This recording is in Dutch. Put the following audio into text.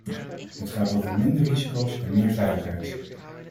Het gaat over minder risico's en meer veiligheid.